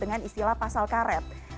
dengan istilah pasal karet